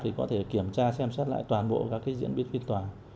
thì có thể kiểm tra xem xét lại toàn bộ các cái diễn biến phiên tòa